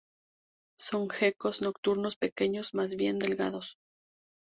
Son gecos nocturnos pequeños, más bien delgados.